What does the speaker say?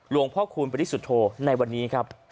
ลวงพ่อคุณพฤษุโธในวันนี้ครับ